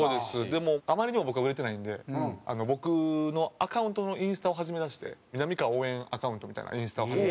でもあまりにも僕が売れてないんで僕のアカウントのインスタを始めだしてみなみかわ応援アカウントみたいなインスタを始めて。